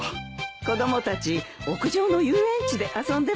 子供たち屋上の遊園地で遊んでますから。